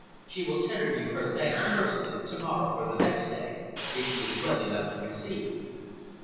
She will tender you her thanks personally, tomorrow or the next day, if she is well enough to receive."